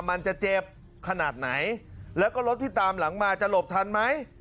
มันจะเจ็บขนาดไหนแล้วก็รถที่ตามหลังมาจะหลบทันไหม